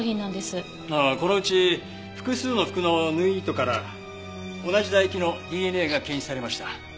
このうち複数の服の縫い糸から同じ唾液のＤＮＡが検出されました。